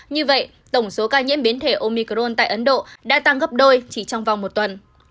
như vậy tổng số ca nhiễm biến thể omicron tại ấn độ đã tăng gấp đôi chỉ trong vòng một tuần